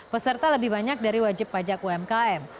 peserta lebih banyak dari wajib pajak umkm